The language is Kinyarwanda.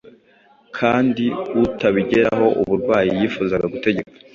Kandi utabigeraho, uburwayi yifuza gutegeka